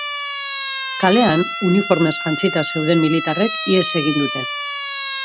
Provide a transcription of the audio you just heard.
Kalean, uniformez jantzita zeuden militarrek ihes egin dute.